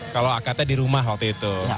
kalau akadnya di rumah waktu itu